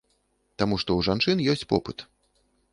Таму што ў жанчын ёсць попыт.